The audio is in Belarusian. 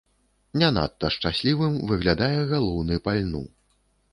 Не надта шчаслівым выглядае галоўны па льну.